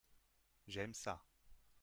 J'aime ça.